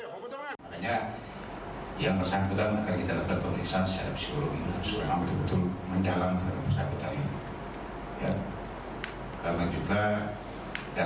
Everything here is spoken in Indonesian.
makanya yang bersangkutan akan kita lakukan pemeriksaan